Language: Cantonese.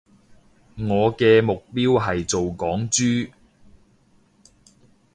我嘅目標係做港豬